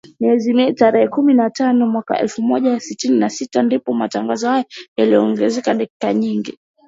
Mwezi Mei, tarehe kumi na tano mwaka elfu moja sitini na sita, ndipo matangazo hayo yaliongezewa dakika nyingine thelathini na kuwa matangazo ya saa moja